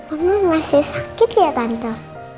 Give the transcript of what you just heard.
aku masih sakit ya tante